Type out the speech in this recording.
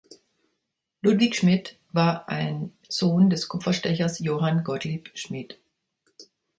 Ludwig Schmidt war ein Sohn des Kupferstechers Johann Gottlieb Schmidt.